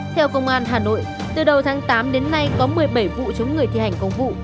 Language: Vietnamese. theo công an hà nội từ đầu tháng tám đến nay có một mươi bảy vụ chống người thi hành công vụ